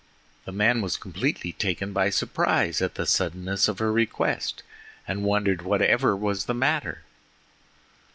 The man was completely taken by surprise at the suddenness of her request, and wondered whatever was the matter.